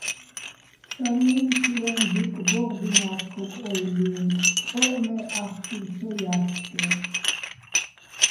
ფსარლუ́ჲნი შურეჼ დურკ დო́ღდინა́ს ქოკ ო́ლლბიენო̆, ტყოჸ მე́, ახ შურ ცო ჲათთგერ.